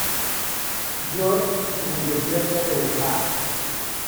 George, en el desierto de Utah.